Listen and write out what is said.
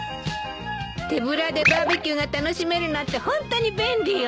手ぶらでバーベキューが楽しめるなんてホントに便利よね。